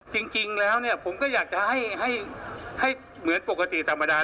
จริงแล้วเนี่ยผมก็อยากจะให้เหมือนปกติธรรมดา